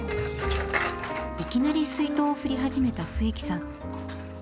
いきなり水筒を振り始めた笛木さん。